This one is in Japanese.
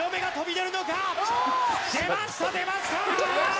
出ました出ました！